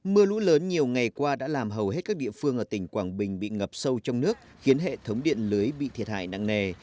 mưa lũ lớn nhiều ngày qua đã làm hầu hết các địa phương ở tỉnh quảng bình bị ngập sâu trong nước khiến hệ thống điện lưới bị thiệt hại nặng nề